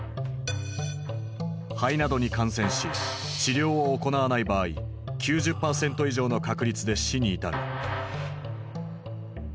肺などに感染し治療を行わない場合９０％以上の確率で死に至る。